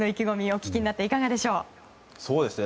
お聞きになっていかがでしょう。